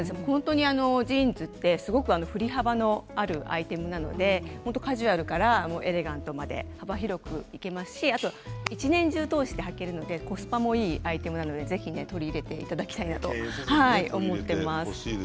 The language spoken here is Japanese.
ジーンズは振れ幅があるアイテムなので、カジュアルからエレガントまでカバーできますし一年中通してはけるのでコスパのいいアイテムなのでぜひ取り入れていただきたいと思います。